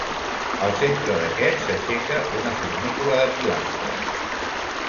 Al centre d'aquest s'aixeca una fornícula de pilastres.